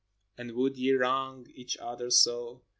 and would ye wrong each other so?